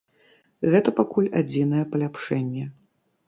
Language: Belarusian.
Гэта пакуль адзінае паляпшэнне.